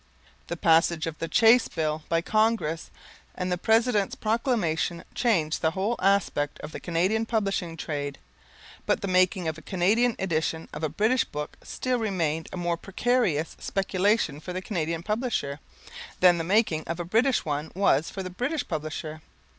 The passage of the Chace Bill by Congress and the President's proclamation changed the whole aspect of the Canadian Publishing Trade, but the making of a Canadian edition of a British book still remained a more precarious speculation for the Canadian publisher, than the making of a British one was for the British publisher.